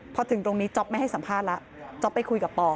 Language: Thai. พอถึงตรงนี้จ๊อปไม่ให้สัมภาษณ์แล้วจ๊อปไปคุยกับปอ